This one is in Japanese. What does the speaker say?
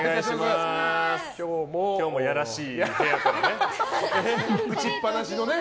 今日もやらしい部屋でね。